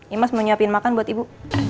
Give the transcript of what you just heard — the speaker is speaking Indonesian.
imas mau nyiapin makan buat ibu